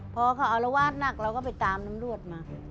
พอเขาอารวาสหนักเราก็ไปตามน้ำรวจมา